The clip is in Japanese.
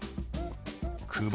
「久保」。